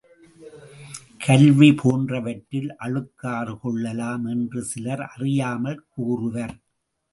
கல்வி போன்றவற்றில் அழுக்காறு கொள்ளலாம் என்று சிலர் அறியாமல் கூறுவர்.